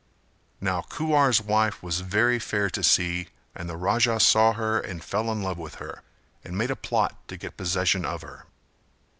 Now Kuwar's wife was very fair to see and the Raja saw her and fell in love with her and made a plot to get possession of her.